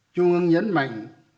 trung ương nhấn mạnh